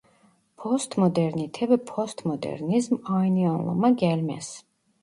Postmodernite ve postmodernizm aynı anlama gelmez.